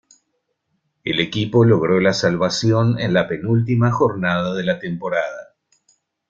El equipo logró la salvación en la penúltima jornada de la temporada.